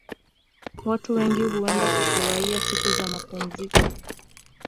Watu wengi huenda kufurahia siku za mapumziko